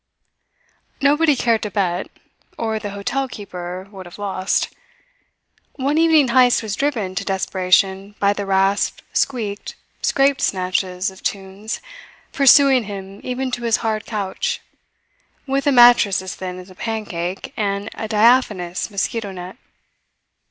Nobody cared to bet, or the hotel keeper would have lost. One evening Heyst was driven to desperation by the rasped, squeaked, scraped snatches of tunes pursuing him even to his hard couch, with a mattress as thin as a pancake and a diaphanous mosquito net.